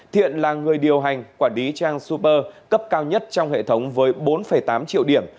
thiện là người điều hành quản lý trang super cấp cao nhất trong hệ thống với bốn tám triệu điểm